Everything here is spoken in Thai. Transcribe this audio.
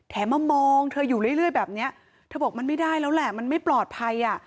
มามองเธออยู่เรื่อยแบบนี้เธอบอกมันไม่ได้แล้วแหละมันไม่ปลอดภัยอ่ะ